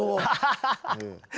ハハハハ！